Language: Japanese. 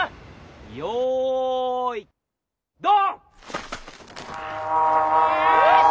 よいドン！